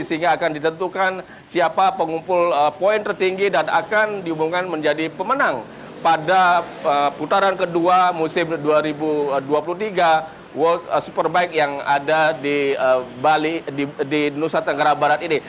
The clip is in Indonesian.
sehingga akan ditentukan siapa pengumpul poin tertinggi dan akan diumumkan menjadi pemenang pada putaran kedua musim dua ribu dua puluh tiga world superbike yang ada di bali di nusa tenggara barat ini